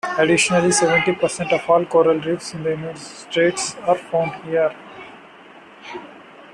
Additionally, seventy percent of all coral reefs in the United States are found here.